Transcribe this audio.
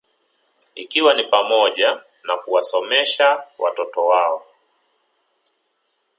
Ikiwa ni pamoja na kuwasomesha watoto wao